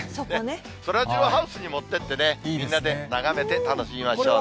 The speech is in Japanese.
そらジローハウスに持ってってね、みんなで眺めて楽しみましょうね。